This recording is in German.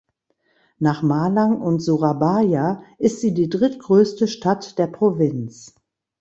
Nach Malang und Surabaya ist sie die drittgrößte Stadt der Provinz.